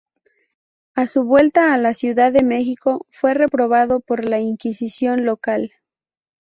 A su vuelta a la Ciudad de Mexico fue reprobado por la Inquisición local.